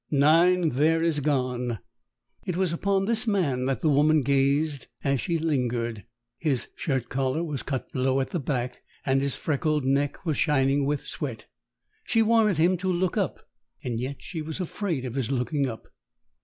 Nine there is gone ..." It was upon this man that the woman gazed as she lingered. His shirt collar was cut low at the back, and his freckled neck was shining with sweat. She wanted him to look up, and yet she was afraid of his looking up.